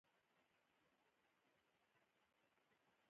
هغه اطماننتم دی چې مطلب یې کله چې مطمئن شوئ.